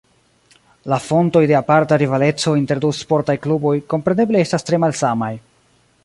La fontoj de aparta rivaleco inter du sportaj kluboj kompreneble estas tre malsamaj.